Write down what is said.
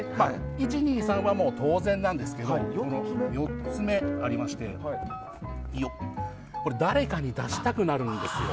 １、２、３は当然なんですが４つ目誰かに出したくなるんですよ。